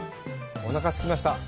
おなかすきました！